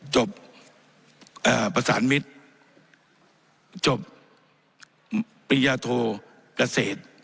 ประสานมิตรจบปริญญาโทเกษตร